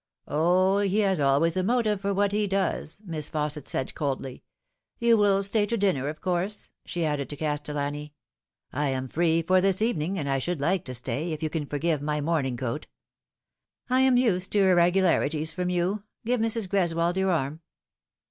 " O, he has always a motive for what he does," Miss Fausset said coldly. " You will stay to dinner, of course ?" she added to Castellani. "I am free for this evening, and I should like to stay, if you can forgive my morning coat." "I am used to irregularities from you. Give Mrs. Greswold yoor arm."